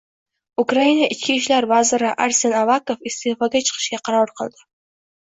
Ukraina ichki ishlar vaziri Arsen Avakov iste'foga chiqishga qaror qildi